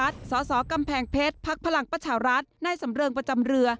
สสกำแพงเพชรพักพลังประชารัฐนายสำเริงประจำเรือ